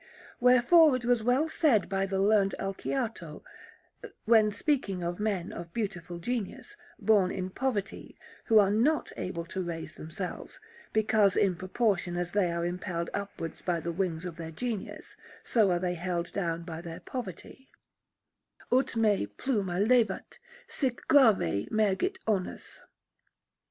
Wherefore it was well said by the learned Alciato when speaking of men of beautiful genius, born in poverty, who are not able to raise themselves, because, in proportion as they are impelled upwards by the wings of their genius, so are they held down by their poverty Ut me pluma levat, sic grave mergit onus.